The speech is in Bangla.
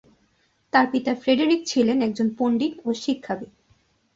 তার পিতা ফ্রেডেরিক ছিলেন একজন পণ্ডিত ও শিক্ষাবিদ।